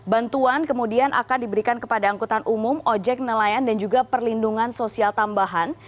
bantuan kemudian akan diberikan kepada angkutan umum ojek nelayan dan juga perlindungan sosial tambahan